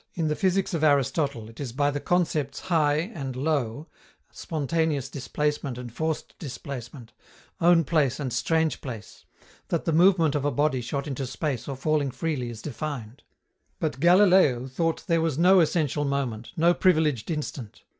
In the physics of Aristotle, it is by the concepts "high" and "low," spontaneous displacement and forced displacement, own place and strange place, that the movement of a body shot into space or falling freely is defined. But Galileo thought there was no essential moment, no privileged instant.